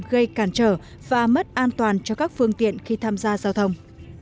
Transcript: gây cản trở và mất an toàn cho các phương tiện khi tham gia giao thông